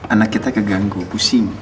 anak kita keganggu pusing